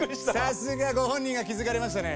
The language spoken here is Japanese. さすがご本人が気付かれましたね。